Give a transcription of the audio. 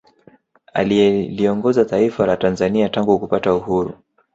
Aliyeliongoza taifa la Tanzania tangu kupata uhuru